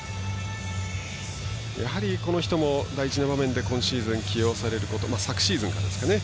やはり、この人も大事な場面で起用されること昨シーズンからですね。